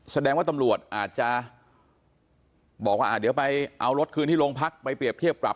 แสดงว่าตำรวจอาจจะบอกว่าเดี๋ยวไปเอารถคืนที่โรงพักไปเปรียบเทียบปรับ